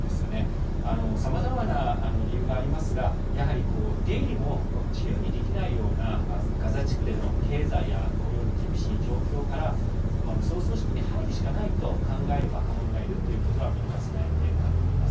さまざまな理由がありますがやはり出入りも自由にできないようなガザ地区での経済や雇用の厳しい状況から武装組織に入るしかないと考える若者がいるということは見逃せない点かと思います。